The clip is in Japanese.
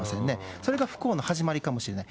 それが不幸の始まりかもしれない。